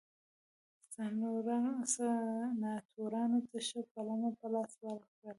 سناتورانو ته ښه پلمه په لاس ورکړه.